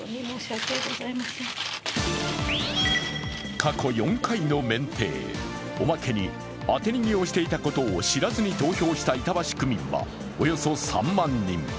過去４回の免停、おまけに当て逃げをしていたことを知らずに投票した板橋区民はおよそ３万人。